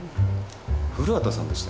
古畑さんでしたね？